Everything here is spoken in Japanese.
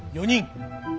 ４人。